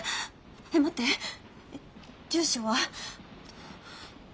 えっ待って住所は。